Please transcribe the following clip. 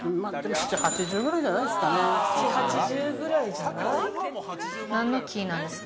７０８０くらいじゃないですかね。